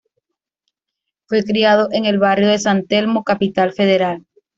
Fue criado en el barrio de San Telmo, Capital Federal.